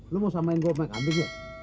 lo mau samain gue pake kambing ya